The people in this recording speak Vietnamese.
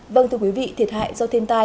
vâng thưa quý vị thiệt hại do thiên tai